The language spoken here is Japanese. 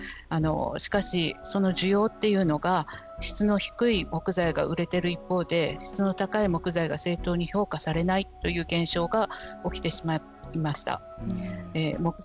しかしその需要というのが質の低い木材が売れている一方で質の高い木材が正当に評価されないという現象が起きてしまいました。